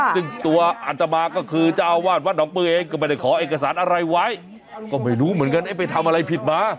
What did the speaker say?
ซึ่งตัวอัตมาก็คือเจ้าอาวาสวัดหนองปือเองก็ไม่ได้ขอเอกสารอะไรไว้ก็ไม่รู้เหมือนกันไปทำอะไรผิดมา